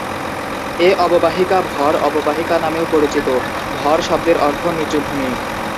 এ অববাহিকা ভর অববাহিকা নামেও পরিচিত; ‘ভর’ শব্দের অর্থ নিচু ভূমি।